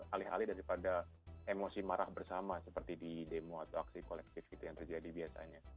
alih alih daripada emosi marah bersama seperti di demo atau aksi kolektif gitu yang terjadi biasanya